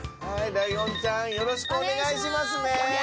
ライオンちゃんよろしくお願いしますね！